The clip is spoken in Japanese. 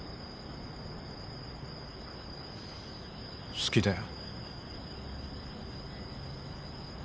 好きだよ。